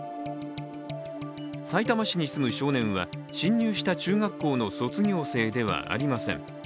さいたま市に住む少年は侵入した中学校の卒業生ではありません。